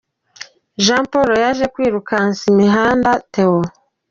Jean Paul yaje kwirukansa imihanda Theo.